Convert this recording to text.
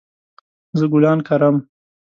زه ګلان کرم